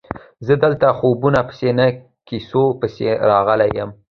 زه دلته خوبونو پسې نه کیسو پسې راغلی یم.